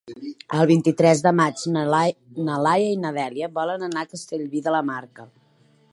El vint-i-tres de maig na Laia i na Dèlia volen anar a Castellví de la Marca.